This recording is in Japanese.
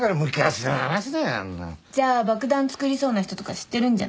じゃあ爆弾作りそうな人とか知ってるんじゃない？